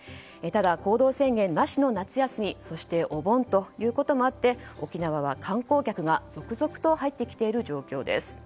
ただ行動制限なしの夏休みそしてお盆ということもあって沖縄は観光客が続々と入ってきている状況です。